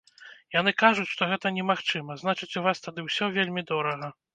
Яны кажуць, што гэта немагчыма, значыць, у вас тады ўсё вельмі дорага.